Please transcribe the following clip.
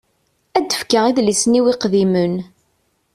Ad d-fkeɣ idlisen-iw iqdimen.